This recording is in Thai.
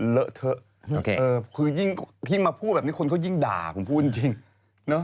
เลอะเถอะคือยิ่งที่มาพูดแบบนี้คนก็ยิ่งด่าผมพูดจริงเนอะ